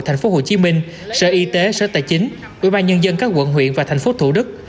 thành phố hồ chí minh sở y tế sở tài chính ủy ban nhân dân các quận huyện và thành phố thủ đức